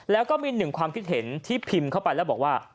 แล้วก็มีหนึ่งความคิดเห็นที่พิมพ์เข้าไปแล้วบอกว่า